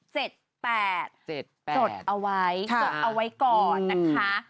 จดเอาไว้จดเอาไว้ก่อนนะคะ